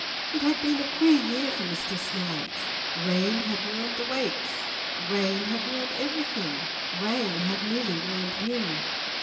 It had been a queer year for Mr Snaggs. Rain had ruined the Wakes; rain had ruined everything; rain had nearly ruined him.